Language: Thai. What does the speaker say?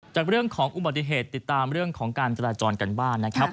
จากเรื่องของอุบัติเหตุติดตามเรื่องของการจราจรกันบ้างนะครับ